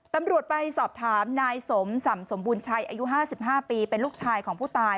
ตำรวจไปสอบถามนายสมส่ำสมบูรณชัยอายุ๕๕ปีเป็นลูกชายของผู้ตาย